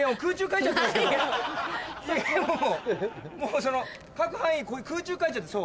もう書く範囲空中書いちゃって。